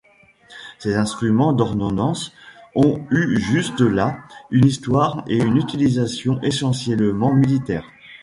Ces instruments d’ordonnance ont eu jusque-là une histoire et une utilisation essentiellement militaire.